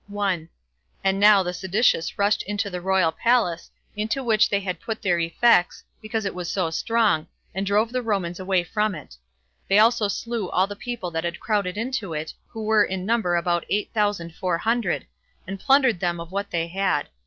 1. And now the seditious rushed into the royal palace, into which many had put their effects, because it was so strong, and drove the Romans away from it. They also slew all the people that had crowded into it, who were in number about eight thousand four hundred, and plundered them of what they had.